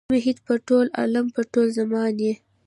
ته محیط پر ټول عالم پر ټول زمان یې.